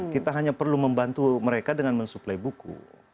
kita hanya perlu membantu mereka dengan mensuplai buku